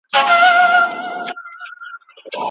قدیم شیان خپل ځانګړی ارزښت لري.